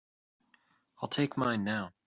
I'll take mine now.